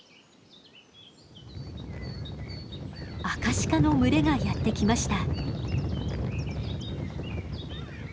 アカシカの群れがやって来ました。